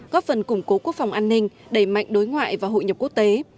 góp phần củng cố quốc phòng an ninh đẩy mạnh đối ngoại và hội nhập quốc tế